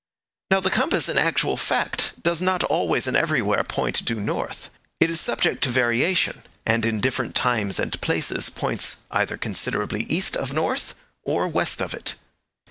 Now the compass in actual fact does not always and everywhere point due north. It is subject to variation, and in different times and places points either considerably east of north or west of it.